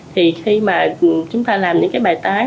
thì khi mà chúng ta làm những bài tán